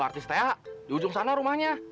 artis ta di ujung sana rumahnya